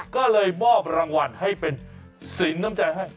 ก็เลยมอบรางวัลให้เป็นสินน้ำใจให้